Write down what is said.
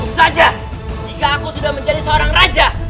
tentu saja jika aku sudah menjadi seorang raja